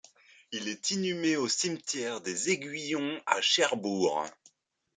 Il est inhumé au Cimetière des Aiguillons à Cherbourg.